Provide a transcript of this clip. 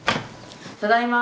ただいま。